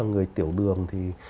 người tiểu đường thì